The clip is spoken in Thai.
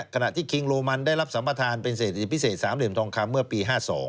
ขณะที่คิงโรมันได้รับสัมประธานเป็นเศรษฐกิจพิเศษสามเหลี่ยมทองคำเมื่อปี๕๒